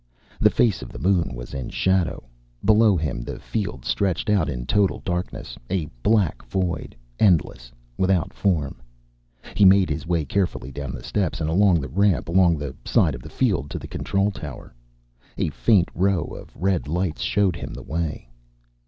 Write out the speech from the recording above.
The face of the moon was in shadow. Below him the field stretched out in total darkness, a black void, endless, without form. He made his way carefully down the steps and along the ramp along the side of the field, to the control tower. A faint row of red lights showed him the way.